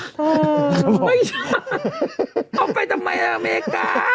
ไม่ใช่เอาไปทำไมอเมริกา